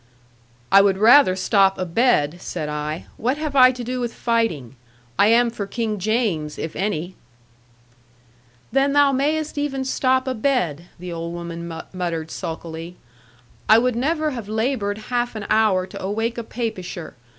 'I would rather stop a bed,' said I; 'what have I to do with fighting? I am for King James, if any.' 'Then thou mayest even stop a bed,' the old woman muttered sulkily. 'A would never have laboured half an hour to awake a Papisher.